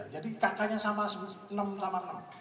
jadi kakaknya sama enam sama enam